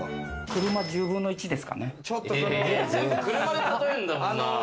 車１０分の１ですかね。